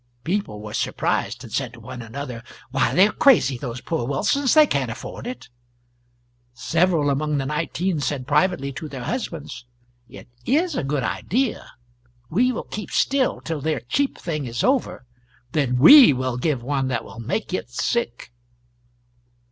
People were surprised, and said, one to another, "Why, they are crazy, those poor Wilsons, they can't afford it." Several among the nineteen said privately to their husbands, "It is a good idea, we will keep still till their cheap thing is over, then we will give one that will make it sick."